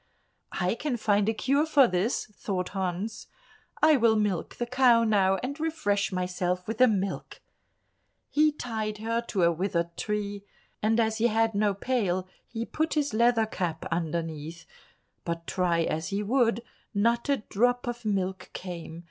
"I can find a cure for this," thought Hans; "I will milk the cow now and refresh myself with the milk." He tied her to a withered tree, and as he had no pail he put his leather cap underneath; but try as he would, not a drop of milk came.